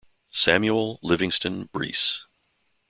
Samuel Livingston Breese.